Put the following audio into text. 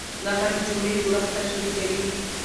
نحوه د جملې جوړښت تشریح کوي.